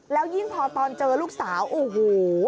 แล้วยิ่งพอตอนเจอลูกสาวโอ้โห